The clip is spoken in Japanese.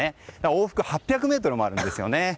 往復８００ｍもあるんですね。